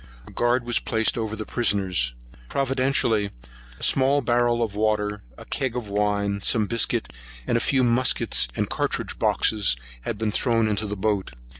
A guard was placed over the prisoners. Providentially a small barrel of water, a cag of wine, some biscuit, and a few muskets and cartouch boxes, had been thrown into the boat.